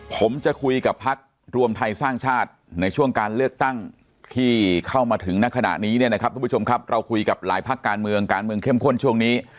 พบให้ง่ายเท่าครูหากาบหัวบัตรสองใบ